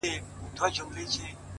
زه يې په هر ټال کي اویا زره غمونه وينم،